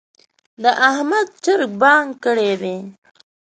د احمد چرګ بانګ کړی دی.